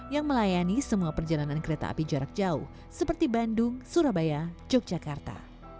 yang melayani semua perjalanan kereta api jarak jauh seperti bandung surabaya yogyakarta